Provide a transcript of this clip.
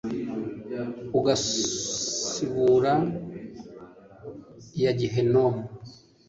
ugasibura iya gihenomu